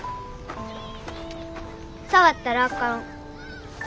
触ったらあかん。